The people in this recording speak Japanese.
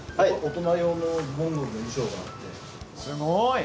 すごい！